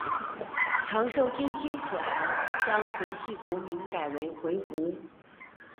长寿天亲可汗将回纥国名改为回鹘。